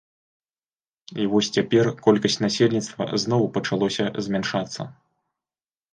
І вось цяпер колькасць насельніцтва зноў пачалося змяншацца.